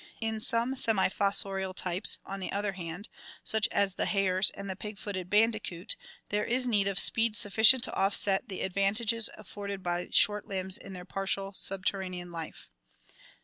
In some semi fossorial types, on the other hand, such as the hares and the pig footed bandicoot, there is need of speed sufficient to offset the advantages afforded by short limbs in their partial subterranean life.